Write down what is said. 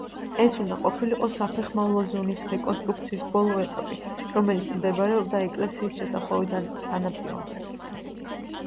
ეს უნდა ყოფილიყო საფეხმავლო ზონის რეკონსტრუქციის ბოლო ეტაპი, რომელიც მდებარეობდა ეკლესიის შესახვევიდან სანაპირომდე.